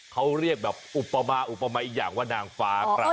เขาเรียกแบบอุปมาอุปมาอีกอย่างว่านางฟ้าครับ